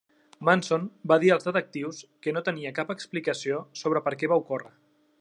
Manson va dir als detectius que no tenia cap explicació sobre per què va ocórrer.